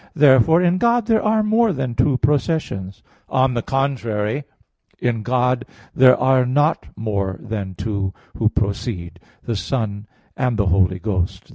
Therefore in God there are more than two processions. On the contrary, In God there are not more than two who proceed the Son and the Holy Ghost.